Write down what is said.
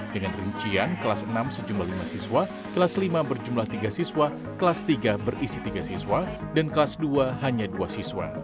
dengan uncian kelas enam sejumlah lima siswa kelas lima berjumlah tiga siswa kelas tiga berisi tiga siswa dan kelas dua hanya dua siswa